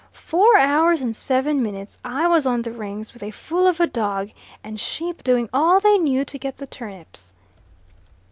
Four hours and seven minutes I was on the Rings, with a fool of a dog, and sheep doing all they knew to get the turnips."